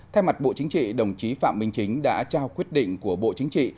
thay mặt bộ chính trị đồng chí phạm minh chính đã trao quyết định của bộ chính trị